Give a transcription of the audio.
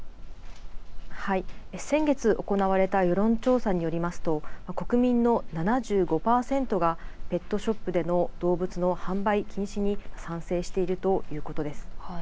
先月、行われた世論調査によりますと国民の７５％がペットショップでの動物の販売禁止に賛成しているということです。